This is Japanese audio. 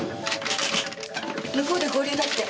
向こうで合流だって。